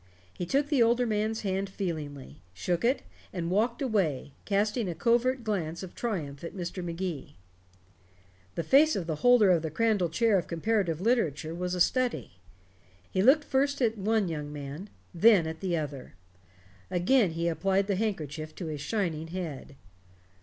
He took the older man's hand feelingly, shook it, and walked away, casting a covert glance of triumph at Mr. Magee. The face of the holder of the Crandall Chair of Comparative Literature was a study. He looked first at one young man, then at the other. Again he applied the handkerchief to his shining head.